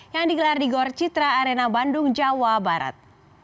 yang digelar di gor citra arena bandung jawa barat